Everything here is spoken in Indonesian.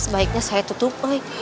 sebaiknya saya tutup eh